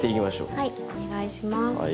はいお願いします。